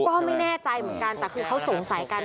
ก็ไม่แน่ใจเหมือนกันแต่คือเขาสงสัยกัน